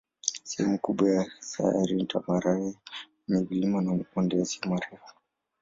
Sehemu kubwa ya sayari ni tambarare yenye vilima na mabonde yasiyo marefu.